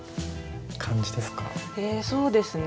えそうですね。